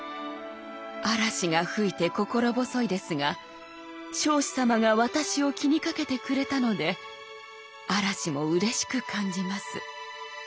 「嵐が吹いて心細いですが彰子様が私を気にかけてくれたので嵐もうれしく感じます」。